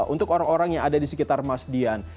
untuk orang orang yang ada di sekitar mas dian